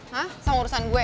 hah sama urusan gue